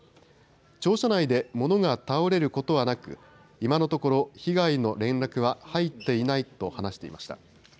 庁舎内で物が倒れることはなく今のところ被害の連絡は入っていないと話していました。